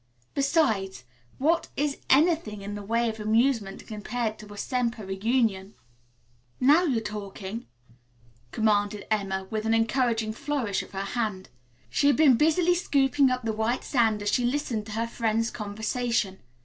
Besides, what is anything in the way of amusement compared to a Semper reunion?" "Now you're talking," commended Emma, with an encouraging flourish of her hand. She had been busily scooping up the white sand as she listened to her friends' conversation.